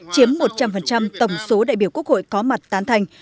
chiếm một trăm linh tổng số đại biểu quốc hội có mặt tán thành